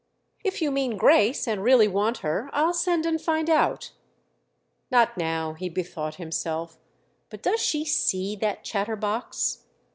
"If you mean Grace and really want her I'll send and find out." "Not now"—he bethought himself. "But does she see that chatterbox?"